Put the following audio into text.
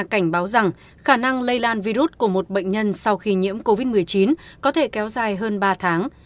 cảnh báo rằng khả năng lây lan virus của một bệnh nhân sau khi nhiễm covid một mươi chín có thể kéo dài hơn ba tháng